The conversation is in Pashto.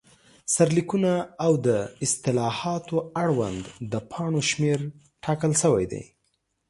سرلیکونه، او د اصطلاحاتو اړوند د پاڼو شمېر ټاکل شوی دی.